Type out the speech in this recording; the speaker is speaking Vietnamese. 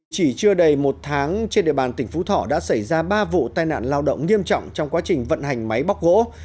chỉ chưa đầy một tháng trên địa bàn tỉnh phú thọ đã xảy ra ba vụ tai nạn lao động nghiêm trọng trong quá trình vận hành máy bóc gỗ